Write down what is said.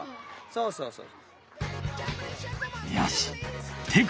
そうそうそう！